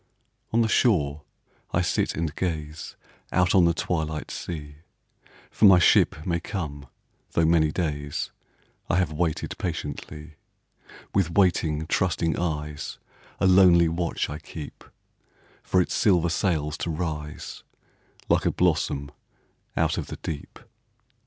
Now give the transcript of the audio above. On the shore I sit and gaze Out on the twilight sea, For my ship may come, though many days I have waited patiently; With waiting trusting eyes, A lonely watch I keep For its silver sails to rise Like a blossom out of the deep.